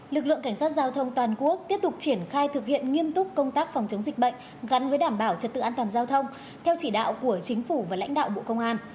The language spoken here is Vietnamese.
lực lượng cảnh sát giao thông toàn quốc tiếp tục triển khai thực hiện nghiêm túc công tác phòng chống dịch bệnh gắn với đảm bảo trật tự an toàn giao thông theo chỉ đạo của chính phủ và lãnh đạo bộ công an